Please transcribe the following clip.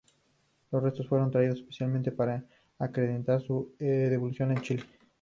Los restos fueron traídos especialmente para acrecentar su devoción en Chile.